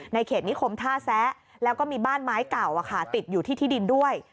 เขตนิคมท่าแซะแล้วก็มีบ้านไม้เก่าติดอยู่ที่ที่ดินด้วย